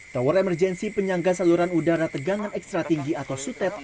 tower emergensi penyangga saluran udara tegangan ekstra tinggi atau sutet